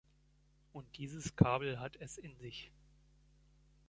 Und dieses Kabel hat es in sich.